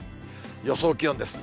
予想気温です。